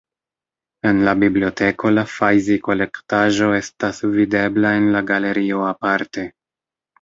En la biblioteko la Fajszi-kolektaĵo estas videbla en la galerio aparte.